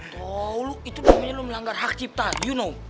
tau lu itu namanya lu melanggar hak cipta you know